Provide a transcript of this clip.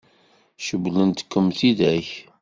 Cewwlent-kem tidak?